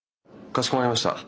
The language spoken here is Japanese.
かしこまりました。